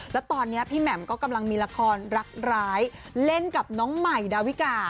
แล้วตอนนี้พี่แหม่มก็กำลังมีละครรักร้ายเล่นกับน้องใหม่ดาวิกา